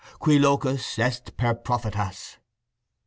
Qui locutus est per prophetas.